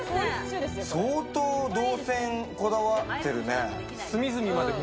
相当、導線こだわってるね。